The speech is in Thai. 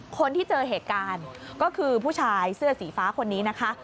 คนที่เจอเหตุการณ์ก็คือผู้ชายเสื้อสีฟ้าคนนี้นะคะ